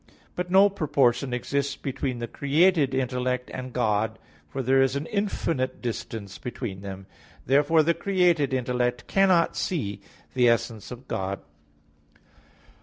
But no proportion exists between the created intellect and God; for there is an infinite distance between them. Therefore the created intellect cannot see the essence of God.